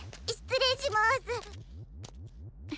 失礼します。